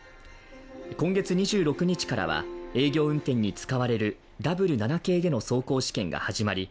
今月２６日からは営業運転に使われるＷ７系での走行試験が始まり